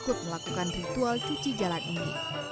dan juga menjalankan ritual cuci jalan ini